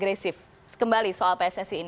jadi saya rasa itu adalah hal yang harus dilakukan